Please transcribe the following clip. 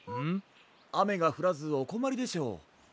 あめがふらずおこまりでしょう？